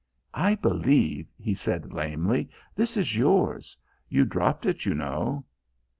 "I believe," he said lamely, "this is yours. You dropped it, you know.